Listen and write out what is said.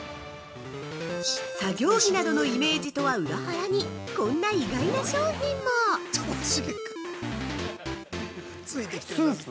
◆作業着などのイメージとは裏腹に、こんな意外な商品も◆スーツ？